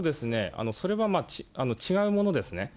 それは違うものですね。